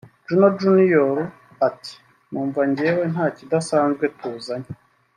Juno Junior ati “ Numva njyewe nta kidasanzwe tuzanye